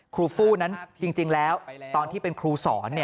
ครูฟู้นั้นจริงแล้วตอนที่เป็นครูสอน